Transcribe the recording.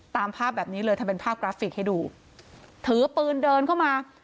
ตามภาพแบบนี้เลยทำเป็นภาพกราฟิกให้ดูถือปืนเดินเข้ามา